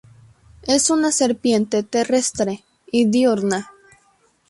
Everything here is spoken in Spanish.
Es una serpiente terrestre y diurna.